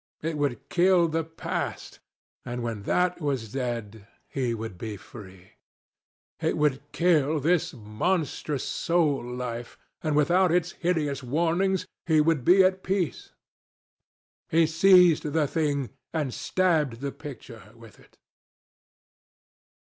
It would kill the past, and when that was dead, he would be free. It would kill this monstrous soul life, and without its hideous warnings, he would be at peace. He seized the thing, and stabbed the picture with it.